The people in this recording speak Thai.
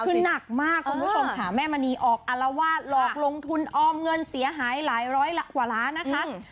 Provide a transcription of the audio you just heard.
คือหนักมากคุณผู้ชมค่ะแม่มณีออกอารวาสหลอกลงทุนออมเงินเสียหายหลายร้อยกว่าล้านนะคะ